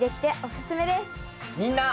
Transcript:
みんな！